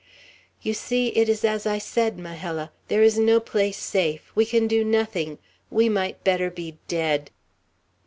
"You see, it is as I said, Majella. There is no place safe. We can do nothing! We might better be dead!"